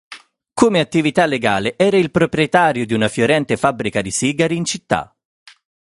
Come attività legale era il proprietario di una fiorente fabbrica di sigari in città.